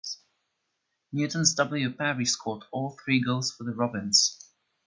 Newtown's W. Parry scored all three goals for the Robins.